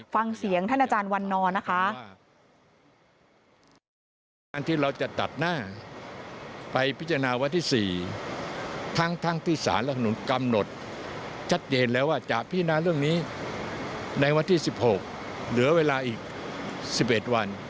ฟังเสียงท่านอาจารย์วันนอร์นะคะ